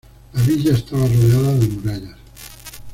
La villa estaba rodeada de murallas.